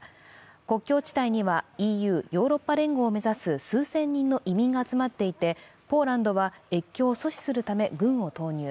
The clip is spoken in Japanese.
国境地帯にはＥＵ＝ヨーロッパ連合を目指す数千人の移民が集まっていてポーランドは越境を阻止するため軍を投入。